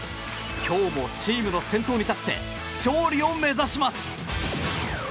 今日もチームの先頭に立って勝利を目指します。